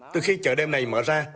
từ khi chợ đêm này mở ra